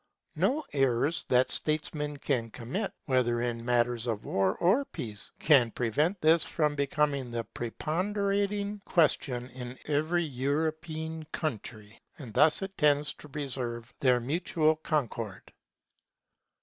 No errors that statesmen can commit, whether in matters of war or peace, can prevent this from becoming the preponderating question in every European country; and thus it tends to preserve their mutual concord.